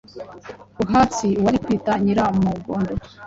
Buhatsi, Uwari kwitwa Nyiramugondo,